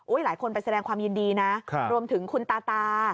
หลายคนไปแสดงความยินดีนะรวมถึงคุณตาตา